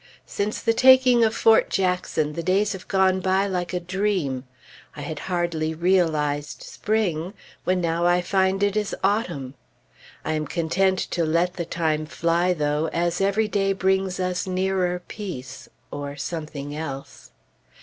Since the taking of Fort Jackson, the days have gone by like a dream. I had hardly realized spring, when now I find it is autumn. I am content to let the time fly, though, as every day brings us nearer Peace or something else.